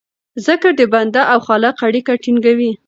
ذکر د بنده او خالق اړیکه ټینګوي.